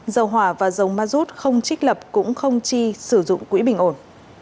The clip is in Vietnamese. dầu hỏa và dầu ma rút không trích lập cũng không chi sử dụng quỹ bình ổn